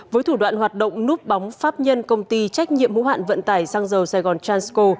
với thủ đoạn hoạt động núp bóng pháp nhân công ty trách nhiệm hữu hạn vận tải sang dầu sài gòn transco